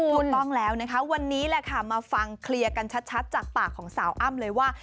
ถูกต้องแล้วนะคะวันนี้แหละค่ะมาฟังเคลียร์กันชัดจากปากของสาวอ้ำเลยว่า